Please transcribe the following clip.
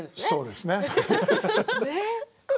そうですね。